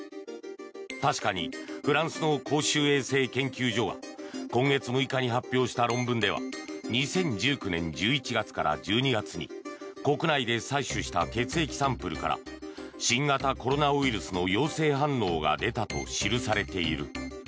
確かにフランスの公衆衛生研究所は今月６日に発表した論文では２０１９年１１月から１２月に国内で採取した血液サンプルから新型コロナウイルスの陽性反応が出たと記されている。